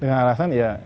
dengan alasan ya